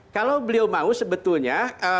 kalau beliau mau sebetulnya